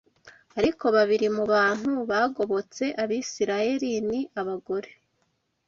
Ariko babiri mu bantu bagobotse Abisirayeli ni abagore